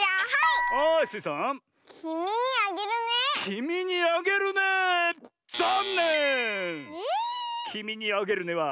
「きみにあげるね」は。